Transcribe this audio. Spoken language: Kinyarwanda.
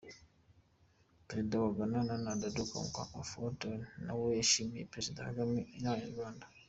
Perezida wa Ghana, Nana Addo Dankwa Akufo-Addo, nawe yashimiye Perezida Kagame n’Abanyarwanda.